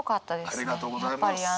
ありがとうございます。